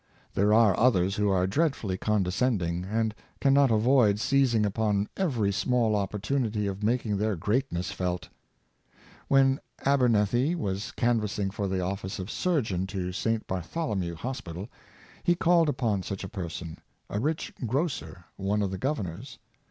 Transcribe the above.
There are others who are dreadfully condescending, and can not avoid seizing upon every small opportunity of making their greatness felt. When Abernethy was canvassing for the office of surgeon to St. Bartholomew Hospital, he called upon such a person — a rich grocer, one of the governors.